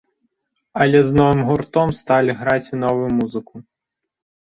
Але з новым гуртом сталі граць і новую музыку.